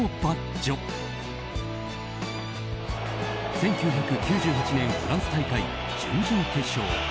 １９９８年フランス大会準々決勝。